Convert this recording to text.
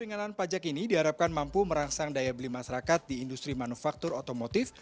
pengenalan pajak ini diharapkan mampu merangsang daya beli masyarakat di industri manufaktur otomotif